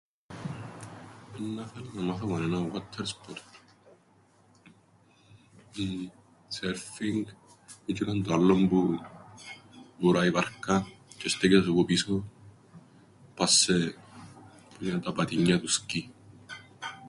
Εννά 'θελα να μάθω κανέναν γουόττερσπορτ. Ή... σέρφινγκ, ή τζ̆είνον το άλλον που... βουρά η βάρκα τζ̆αι στέκεσαι πουπίσω... πά' σε... πουτζ̆είνα τα πατίνια του σκι.